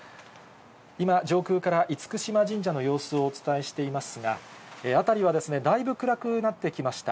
今、上空から厳島神社の様子をお伝えしていますが、辺りはだいぶ暗くなってきました。